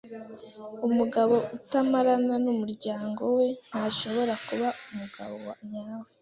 Umugabo utamarana numuryango we ntashobora kuba umugabo nyawe.